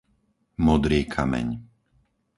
Modrý Kameň